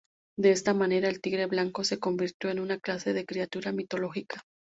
De esta manera, el tigre blanco, se convirtió en una clase de criatura mitológica.